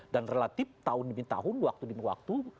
relatif tahun demi tahun waktu demi waktu